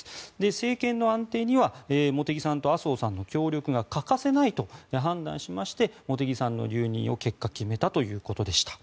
政権の安定には茂木さんと麻生さんの協力が欠かせないと判断しまして茂木さんの留任を結果、決めたということでした。